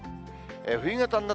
冬型にな